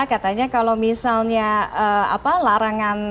katanya kalau misalnya larangan